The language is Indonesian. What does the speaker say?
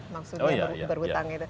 maksudnya berhutang itu